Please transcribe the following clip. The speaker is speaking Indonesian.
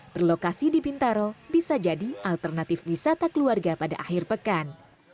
berlokasi di bintaro bisa jadi alternatif wisata keluarga pada akhir pekan